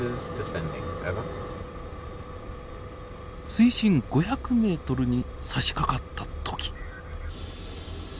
水深５００ｍにさしかかった時。